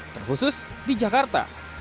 terkhusus di jakarta